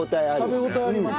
食べ応えありますね。